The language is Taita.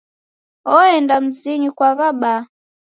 Oenda mzinyi kwa w'abaa.